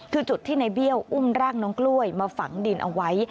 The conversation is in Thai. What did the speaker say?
คือจุดที่ในเบี้ยวอุ้มร่างน้องกล้วยมาฝังดินเอาไว้